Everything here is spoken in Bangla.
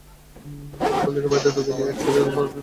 হাসপাতাল থেকে বাইরে রোগী নিয়ে গিয়ে এক্স-রে করানো খুবই জটিল কাজ।